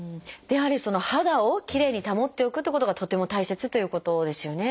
やはり肌をきれいに保っておくってことがとっても大切ということですよね。